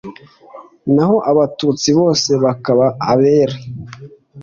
naho Abatutsi bose bakaba abere